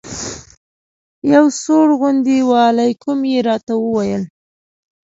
یو سوړ غوندې وعلیکم یې راته وویل.